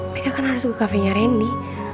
mereka kan harus ke cafenya randy